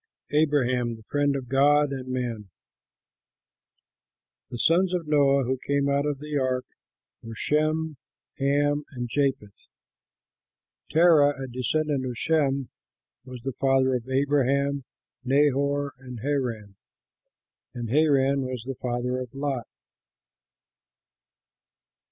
ABRAHAM, THE FRIEND OF GOD AND MAN The sons of Noah who came out of the ark were Shem, Ham and Japheth. Terah, a descendant of Shem, was the father of Abraham, Nahor and Haran; and Haran was the father of Lot.